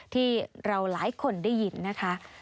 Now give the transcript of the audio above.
ที่เราหลายคนได้ยินนะคะ